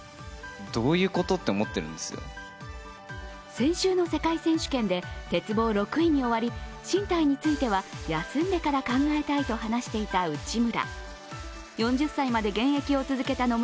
先週の世界選手権で鉄棒６位に終わり進退については休んでから考えたいと話していた内村。